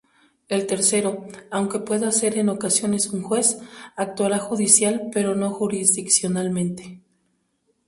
El tercero, aunque pueda ser en ocasiones un juez, actuará judicial pero no jurisdiccionalmente.